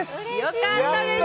よかったです